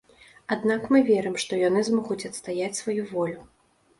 Аднак мы верым, што яны змогуць адстаяць сваю волю.